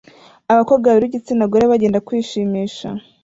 abakobwa babiri b'igitsina gore bagenda kwishimisha